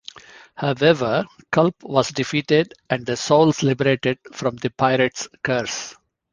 However, Culp was defeated and the souls liberated from the Pirate's curse.